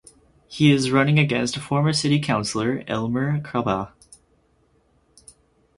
He is running against former city councilor Elmer Cabahug.